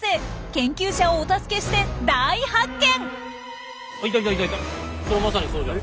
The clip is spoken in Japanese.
研究者をお助けして大発見！